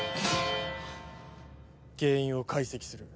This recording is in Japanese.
原因を解析する。